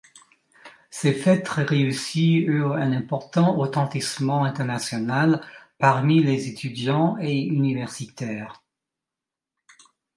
Ces fêtes très réussies eurent un important retentissement international parmi les étudiants et universitaires.